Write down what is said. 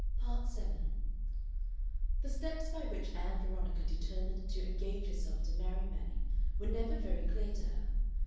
Part 7 The steps by which Ann Veronica determined to engage herself to marry Manning were never very clear to her.